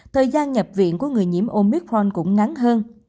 thời gian nhập viện của người nhiễm omicron cũng ngắn hơn